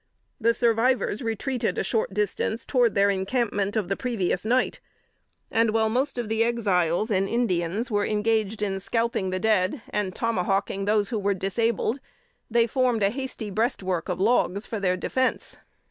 The survivors retreated a short distance toward their encampment of the previous night, and, while most of the Exiles and Indians were engaged in scalping the dead and tomahawking those who were disabled, they formed a hasty breastwork of logs for their defense.